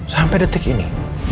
sampai detik ini